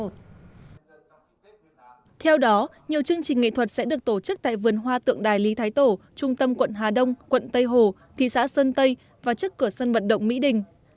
theo đó nhiều chương trình nghệ thuật sẽ được tổ chức tại vườn hoa tượng đài lý thái tổ trung tâm quận hà đông quận tây hồ thị xã sơn tây và trước cửa sân vận động mỹ đình